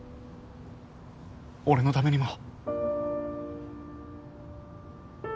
俺のためにも。